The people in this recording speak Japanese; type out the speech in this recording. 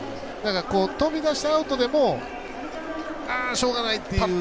飛び出してアウトでもしょうがないという。